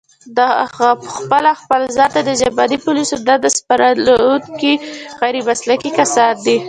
دغه پخپله خپل ځان ته د ژبني پوليسو دنده سپارونکي غير مسلکي کسان دي